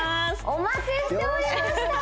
お待ちしておりました！